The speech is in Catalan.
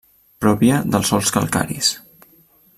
Pròpia de sòls calcaris.